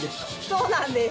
そうなんです。